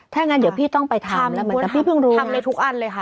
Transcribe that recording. ถ้างั้นเดี๋ยวพี่ต้องไปทำแล้วเหมือนกันแต่พี่เพิ่งรู้ทำในทุกอันเลยค่ะ